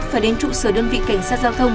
phải đến trụ sở đơn vị cảnh sát giao thông